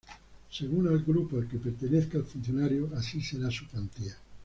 Según el grupo al que pertenezca el funcionario así será su cuantía.